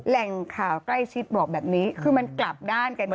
แหล่งข่าวใกล้ชิดบอกแบบนี้คือมันกลับด้านกัน